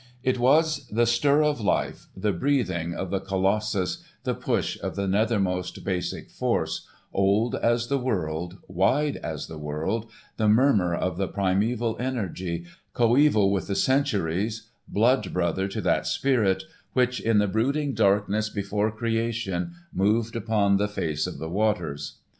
It was the stir of life, the breathing of the Colossus, the push of the nethermost basic force, old as the world, wide as the world, the murmur of the primeval energy, coeval with the centuries, blood brother to that spirit which in the brooding darkness before creation, moved upon the face of the waters.